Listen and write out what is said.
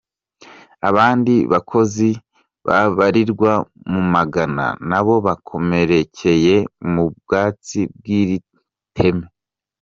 Abandi bakozi babarirwa mu magana nabo bakomerecyeye mu bwubatsi bw'iri teme.